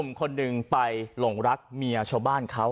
คนหนึ่งไปหลงรักเมียชาวบ้านเขา